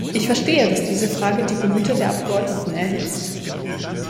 Ich verstehe, dass diese Frage die Gemüter der Abgeordneten erhitzt.